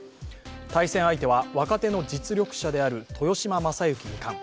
対戦相手は若手の実力者である豊島将之二冠。